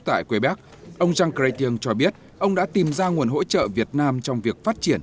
tại quebec ông jean chrétien cho biết ông đã tìm ra nguồn hỗ trợ việt nam trong việc phát triển